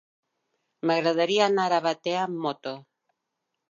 M'agradaria anar a Batea amb moto.